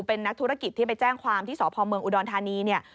เป็นนักธุรกิจที่ไปแจ้งความที่สพอุดรธานี